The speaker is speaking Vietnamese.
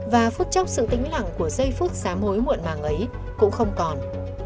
và phút chốc sự tĩnh lặng của giây phút xám hối muộn màng ấy cũng không còn